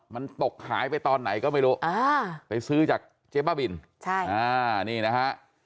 มันตกหายไปตอนไหนก็ไม่รู้ไปซื้อจากเจ๊บ้าบินนี่นะฮะ